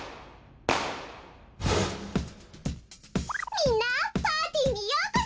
みんなパーティーにようこそ！